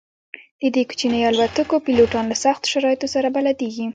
د دې کوچنیو الوتکو پیلوټان له سختو شرایطو سره بلدیږي